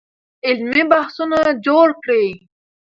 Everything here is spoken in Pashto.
علمي بحثونه جوړ کړئ.